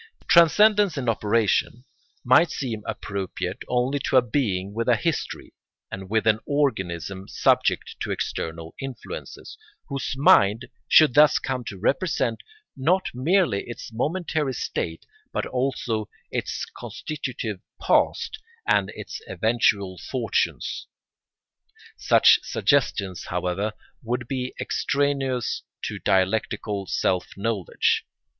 Transcendence in operation might seem appropriate only to a being with a history and with an organism subject to external influences, whose mind should thus come to represent not merely its momentary state but also its constitutive past and its eventual fortunes. Such suggestions, however, would be extraneous to dialectical self knowledge.